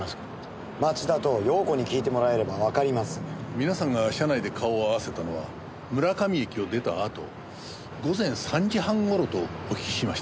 皆さんが車内で顔を合わせたのは村上駅を出たあと午前３時半頃とお聞きしましたが。